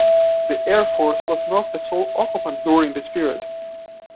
The Air Force was not the sole occupant during this period.